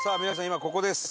今ここです。